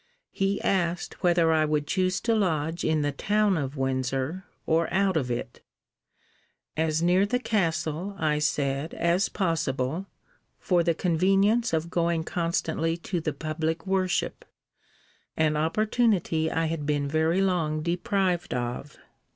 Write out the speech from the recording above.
He asked whether I would choose to lodge in the town of Windsor, or out of it? As near the castle, I said, as possible, for the convenience of going constantly to the public worship; an opportunity I had been very long deprived of.